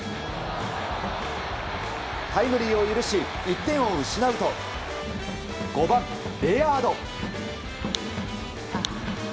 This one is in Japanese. タイムリーを許し１点を失うと５番、レアード。